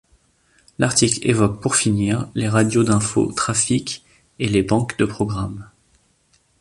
L'article évoque, pour finir, les radios d'info trafic et les banques de programmes.